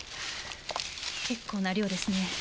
結構な量ですね。